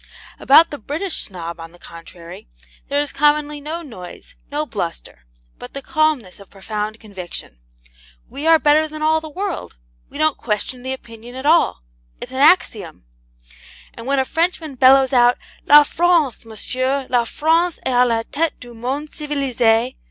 About the British Snob, on the contrary, there is commonly no noise, no bluster, but the calmness of profound conviction. We are better than all the world; we don't question the opinion at all; it's an axiom. And when a Frenchman bellows out, 'LA FRANCE, MONSIEUR, LA FRANCE EST A LA TETE DU MONDE CIVILISE!'